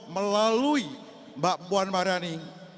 melalui mbak puan marani